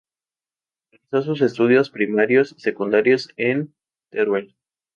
Realizó sus estudios primarios y secundarios en Teruel.